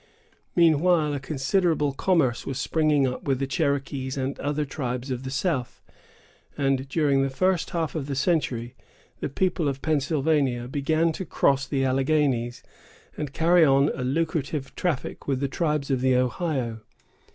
Meanwhile, a considerable commerce was springing up with the Cherokees and other tribes of the south; and during the first half of the century, the people of Pennsylvania began to cross the Alleghanies, and carry on a lucrative traffic with the tribes of the Ohio.